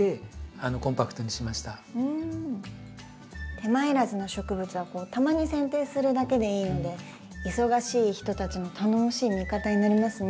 手間いらずな植物はたまにせん定するだけでいいので忙しい人たちの頼もしい味方になりますね。